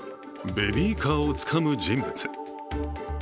ベビーカーをつかむ人物。